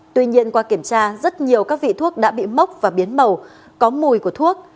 tuy nhiên qua kiểm tra rất nhiều các vị thuốc đã bị mốc và biến màu có mùi của thuốc